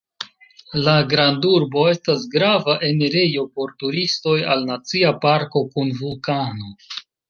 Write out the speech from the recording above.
La grandurbo estas grava enirejo por turistoj al Nacia parko kun vulkano.